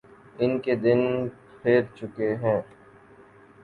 ان کے دن پھر چکے ہیں۔